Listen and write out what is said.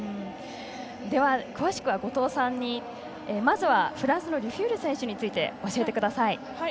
では、詳しくは後藤さんにまずはフランスのルフュール選手について教えてください。